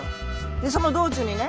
でその道中にね